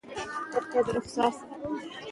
پښتو ژبه زموږ په منځ کې واټن کموي.